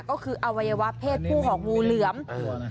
ก็คืออวัยวะเพศผู้ของงูเหลือม